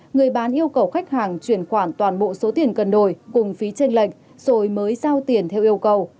người bán yêu cầu khách hàng chuyển khoản toàn bộ số tiền cần đổi cùng phí tranh lệch rồi mới giao tiền theo yêu cầu